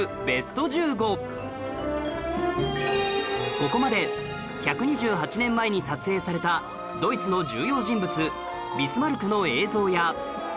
ここまで１２８年前に撮影されたドイツの重要人物ビスマルクの映像や